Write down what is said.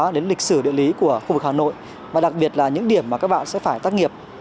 đến lịch sử địa lý của khu vực hà nội và đặc biệt là những điểm mà các bạn sẽ phải tác nghiệp